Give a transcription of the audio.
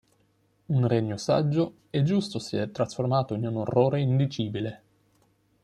Un regno saggio e giusto si è trasformato in un orrore indicibile.